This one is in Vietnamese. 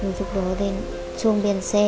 rồi lúc đó xuống biển xe